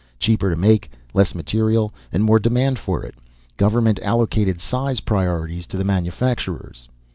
Cheaper to make, less material, and more demand for it. Government allocated size priorities to the manufacturers.